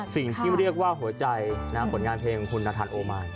สิ่งที่เรียกว่าหัวใจผลงานเพลงคุณนาธานโอมาน